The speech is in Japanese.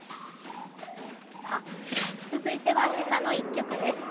続いては「けさの１曲」です。